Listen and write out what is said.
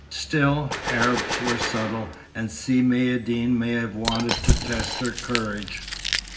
Still, Arabs were subtle, and Si Maïeddine might have wanted to test her courage.